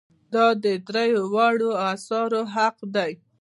دا د دریو واړو آثارو حق دی.